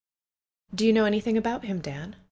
"Do you know anything about him, Dan?"